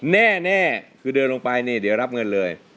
แน่คือเดินลงไปเนี่ยเดี๋ยวรับเงินเลย